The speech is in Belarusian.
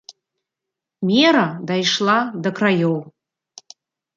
Мера дайшла да краёў.